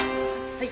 はい。